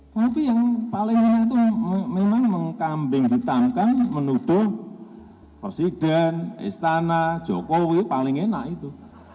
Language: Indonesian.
tapi yang paling enak itu memang mengkambing hitamkan menuduh presiden istana jokowi paling enak itu